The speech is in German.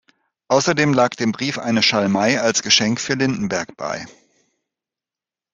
Außerdem lag dem Brief eine Schalmei als Geschenk für Lindenberg bei.